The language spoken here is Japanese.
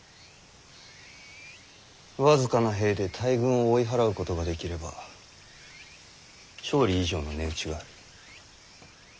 僅かな兵で大軍を追い払うことができれば勝利以上の値打ちがある。